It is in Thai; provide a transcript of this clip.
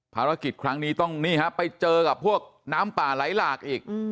ภารกิจครั้งนี้ต้องนี่ฮะไปเจอกับพวกน้ำป่าไหลหลากอีก